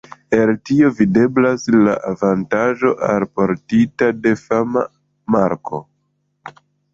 El tio videblas la avantaĝo alportita de fama marko.